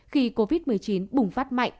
khi covid một mươi chín bùng phát mạnh